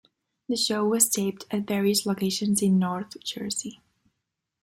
The show was taped at various locations in North Jersey.